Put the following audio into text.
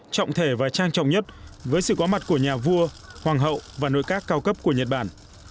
trọng thể và trang trọng nhất với sự có mặt của nhà vua hoàng hậu và nội các cao cấp của nhật bản